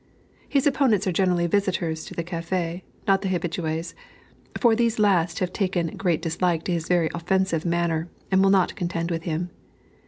His opponents are generally visitors to the café, not the habitués; for these last have taken great dislike to his very offensive manner, and will not contend with him.